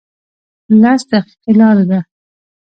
لس دقیقې لاره ده